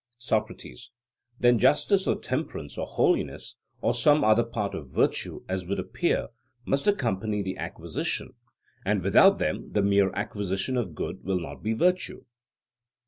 SOCRATES: Then justice or temperance or holiness, or some other part of virtue, as would appear, must accompany the acquisition, and without them the mere acquisition of good will not be virtue.